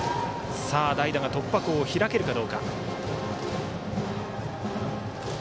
代打が突破口を開けるかどうか。